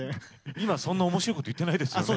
今そんな面白いこと言ってないですよね。